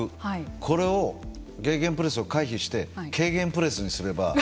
これをゲーゲンプレスを回避して軽減プレスにすれば。